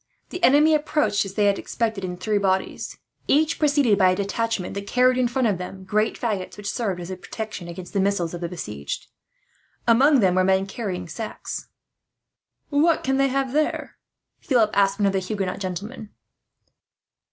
The enemy approached as they had expected, in three bodies; each preceded by a detachment that carried in front of them great faggots, which served as a protection against the missiles of the besieged. Among them were men carrying sacks. "What can they have there?" Philip asked one of the Huguenot gentlemen.